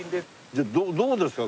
じゃあどうですか？